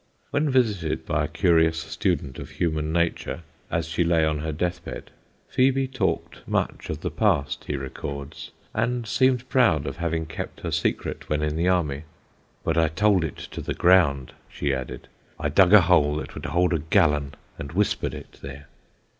When visited by a curious student of human nature as she lay on her death bed, Phebe talked much of the past, he records, and seemed proud of having kept her secret when in the army. "But I told it to the ground," she added; "I dug a hole that would hold a gallon and whispered it there."